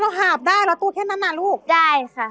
เราหาบได้แล้วตู้เท่านั้นน่ะลูกได้ค่ะ